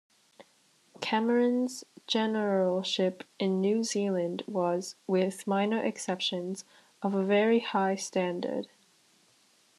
Cameron's generalship in New Zealand was, with minor exceptions, of a very high standard.